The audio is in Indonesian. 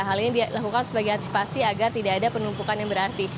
hal ini dilakukan sebagai antisipasi agar tidak ada penumpukan yang berarti